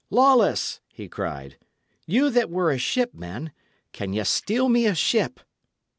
"Lawless!" he cried, "you that were a shipman, can ye steal me a ship?"